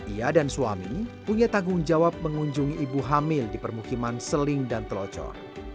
ia dan suami punya tanggung jawab mengunjungi ibu hamil di permukiman seling dan telocor